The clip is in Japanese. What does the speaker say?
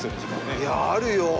いやあるよ。